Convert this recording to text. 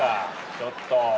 ちょっと！